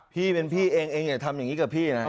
พี่เป็นพี่เองเองอย่าทำอย่างนี้กับพี่นะ